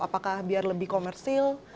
apakah biar lebih komersil